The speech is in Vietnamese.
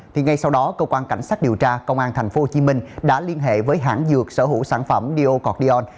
thì ngay sau đó cơ quan cảnh sát điều tra công an tp hcm đã liên hệ với hãng dược sở hữu sản phẩm diocordion